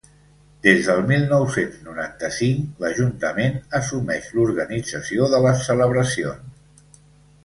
Des del mil nou-cents noranta-cinc l'Ajuntament assumeix l'organització de les celebracions.